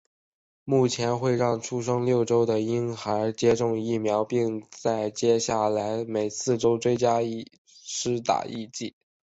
目前会让出生六周的婴孩接种疫苗并在接下来每四周追加施打一剂。